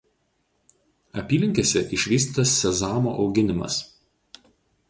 Apylinkėse išvystytas sezamo auginimas.